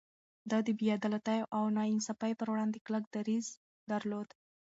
ده د بې عدالتۍ او ناانصافي پر وړاندې کلک دريځ درلود.